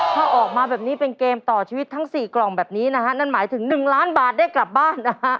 ถ้าออกมาแบบนี้เป็นเกมต่อชีวิตทั้ง๔กล่องแบบนี้นะฮะนั่นหมายถึง๑ล้านบาทได้กลับบ้านนะฮะ